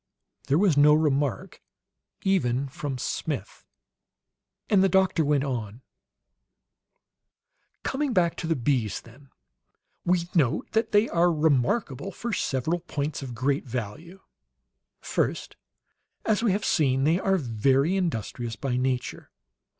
There was no remark, even from Smith; and the doctor went an: "Coming back to the bees, then, we note that they are remarkable for several points of great value. First, as we have seen, they are very industrious by nature.